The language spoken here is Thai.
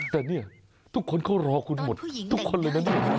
แต่เนี่ยทุกคนเขารอคุณหมดทุกคนเลยนะเนี่ย